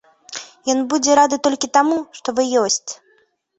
Ён будзе рады толькі таму, што вы ёсць.